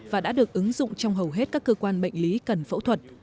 và đã được ứng dụng trong hầu hết các cơ quan bệnh lý cần phẫu thuật